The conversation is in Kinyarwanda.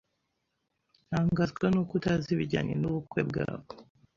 Ntangazwa nuko utazi ibijyanye nubukwe bwabo.